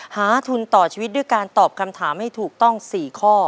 หาทุนต่อชีวิตด้วยการตอบคำถามให้ถูกต้อง๔ข้อ